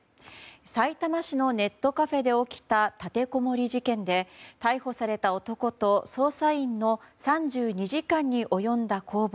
さいたま市のネットカフェで起きた立てこもり事件で逮捕された男と捜査員の３２時間に及んだ攻防。